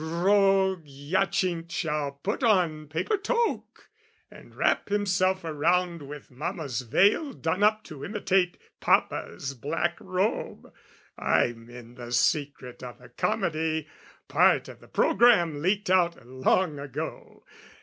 Rogue Hyacinth shall put on paper toque, And wrap himself around with mamma's veil Done up to imitate papa's black robe, (I'm in the secret of the comedy, Part of the program leaked out long ago!)